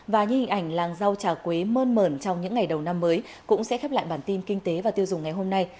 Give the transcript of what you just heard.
và như hình ảnh làng rau trà quế mơn mờn trong những ngày đầu năm mới cũng sẽ khép lại bản tin kinh tế và tiêu dùng ngày hôm nay